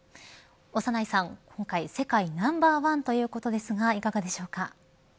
長内さん、今回世界ナンバーワンということですがいかがでしょうか。